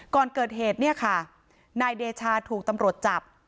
ก่อนเกิดเหตุเนี่ยค่ะนายเดชาถูกตำรวจจับ